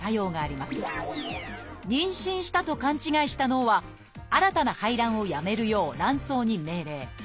妊娠したと勘違いした脳は新たな排卵をやめるよう卵巣に命令。